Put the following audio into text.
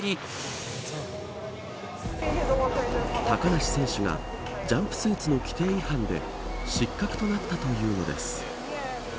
高梨選手がジャンプスーツの規定違反で失格となったというのです。